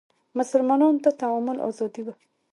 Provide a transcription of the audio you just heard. مسلمانانو ته تعامل ازادي وه